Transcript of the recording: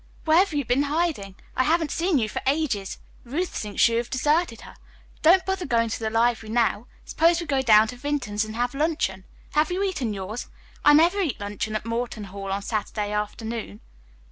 Where have you been hiding? I haven't seen you for ages. Ruth thinks you have deserted her. Don't bother going to the library now. Suppose we go down to Vinton's and have luncheon. Have you eaten yours? I never eat luncheon at Morton Hall on Saturday afternoon."